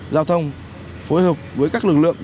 giao thông phối hợp với các lực lượng